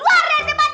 iya aku kaget